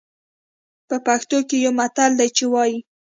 په پښتو کې يو متل دی چې وايي.